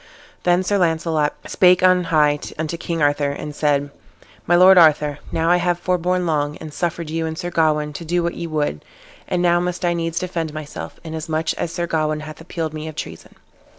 Then Sir Launcelot spake on high unto King Arthur, and said, "My lord Arthur, now I have forborne long, and suffered you and Sir Gawain to do what ye would, and now must I needs defend myself, inasmuch as Sir Gawain hath appealed me of treason."